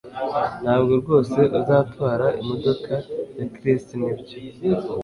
Ntabwo rwose uzatwara imodoka ya Chris nibyo